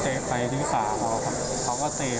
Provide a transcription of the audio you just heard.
เตะไฟที่สาวเขาก็เตะไว้ผมก็ดึง